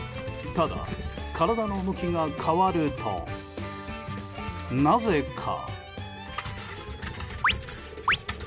ただ、体の向きが変わるとなぜか。